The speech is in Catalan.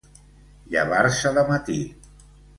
Llevar-se de matí.